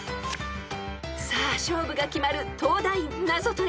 ［さあ勝負が決まる東大ナゾトレ］